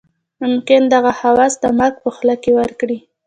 ممکن دغه هوس د مرګ په خوله کې ورکړي.